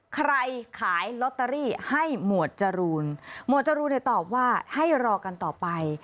ขายลอตเตอรี่ให้หมวดจรูนหมวดจรูนเนี่ยตอบว่าให้รอกันต่อไป